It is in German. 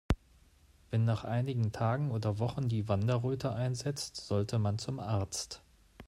Wenn nach einigen Tagen oder Wochen die Wanderröte einsetzt, sollte man zum Arzt.